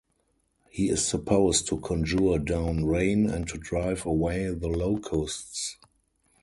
He is supposed to conjure down rain and to drive away the locusts.